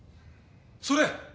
それ！